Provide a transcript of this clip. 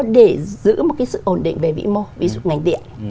để giữ một cái sự ổn định về vĩ mô ví dụ ngành điện